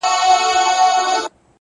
• د تيارو اجاره دار محتسب راغى,